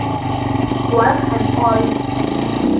Warts and all.